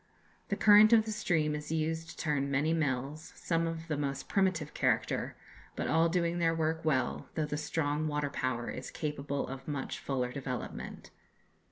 The current of the stream is used to turn many mills, some of the most primitive character, but all doing their work well, though the strong water power is capable of much fuller development....